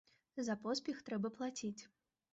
За поспех трэба плаціць.